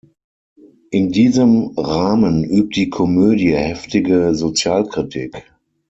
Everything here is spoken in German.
In diesem Rahmen übt die Komödie heftige Sozialkritik.